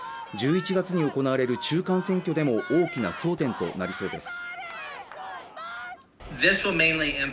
１１月に行われる中間選挙でも大きな争点となりそうです